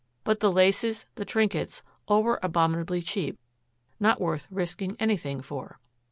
But the laces, the trinkets, all were abominably cheap, not worth risking anything for.